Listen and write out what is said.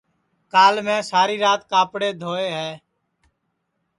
کال میں ساری رات کاپڑے دھوئے ہے